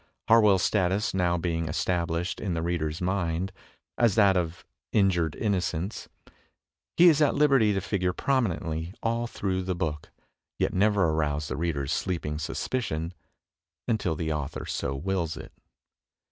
Harwell's status now being established in the reader's mind, as that of injured innocence, he is at liberty to figure prominently all through the book, yet never arouse the reader's sleeping suspicion until the author so wills it.